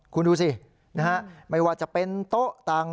คุณดูสินะฮะไม่ว่าจะเป็นโต๊ะต่าง